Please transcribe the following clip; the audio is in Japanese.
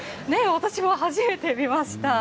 私も初めて見ました。